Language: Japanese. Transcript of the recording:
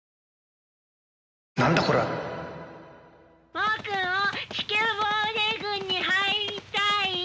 僕も地球防衛軍に入りたい！